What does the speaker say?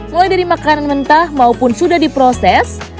mulai dari makanan mentah maupun sudah diproses